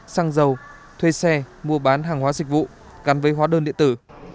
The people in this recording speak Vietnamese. xăng dầu thuê xe mua bán hàng hóa dịch vụ gắn với hóa đơn điện tử